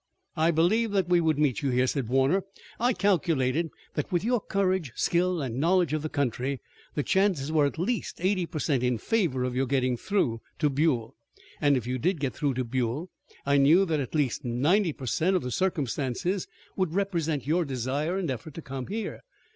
"I believed that we would meet you here," said Warner, "I calculated that with your courage, skill and knowledge of the country the chances were at least eighty per cent in favor of your getting through to Buell. And if you did get through to Buell I knew that at least ninety per cent of the circumstances would represent your desire and effort to come here.